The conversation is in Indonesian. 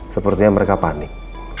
sepertinya mereka panik